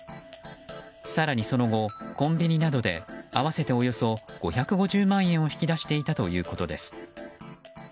更にその後、コンビニなどで合わせておよそ５５０万円を引き出していたということです。